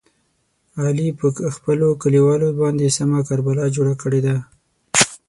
علي په خپلو کلیوالو باندې سمه کربلا جوړه کړې ده.